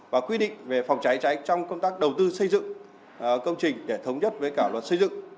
và quy định về phòng cháy cháy trong công tác đầu tư xây dựng công trình để thống nhất với cả luật xây dựng